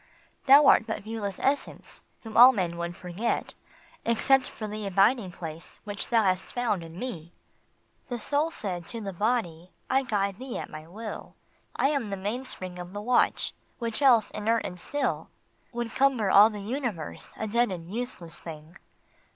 Thou art but viewless essence, whom all men would forget Except for the abiding place which thou hast found in me." The Soul said to the Body :" I guide thee at my will. I am the wind within the sail, which else would lifeless swing ; I am the mainspring of the watch, which else, inert and still, Would cumber all the universe, a dead and useless thing."